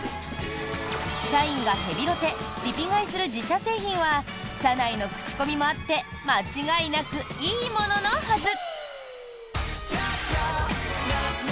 社員がヘビロテ・リピ買いする自社製品は社内の口コミもあって間違いなくいいもののはず。